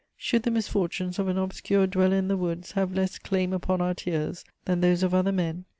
Should the misfortunes of an obscure dweller in the woods have less claim upon our tears than those of other men?